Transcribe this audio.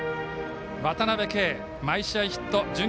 渡辺憩、毎試合ヒット。